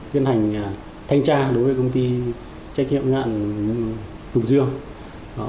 tiến hành thanh tra đối với công ty trách nhiệm hoạn tùng dương